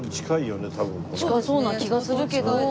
近そうな気がするけど。